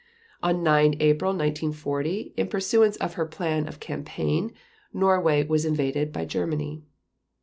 On 9 April 1940, in pursuance of her plan of campaign, Norway was invaded by Germany.